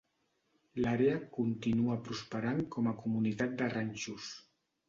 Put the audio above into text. L'àrea continua prosperant com a comunitat de ranxos.